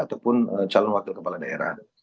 ataupun calon wakil kepala daerah